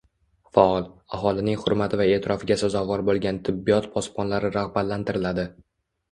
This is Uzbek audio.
Faol, aholining hurmati va eʼtirofiga sazovor boʻlgan “tibbiyot posbonlari” ragʻbatlantiriladi.